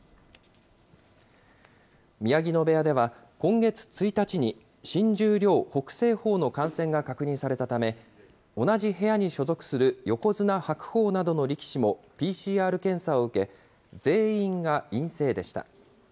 宮城野部屋では今月１日に、新十両・北青鵬の感染が確認されたため、同じ部屋に所属する横綱・白鵬などの力士も、ＰＣＲ検査を受け、全員が陰性でした。